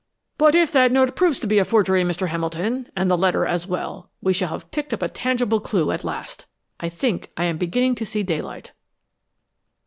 "But if that note proves to be a forgery, Mr. Hamilton, and the letter as well we shall have picked up a tangible clue at last. I think I am beginning to see daylight."